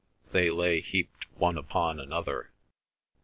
They lay heaped one upon another.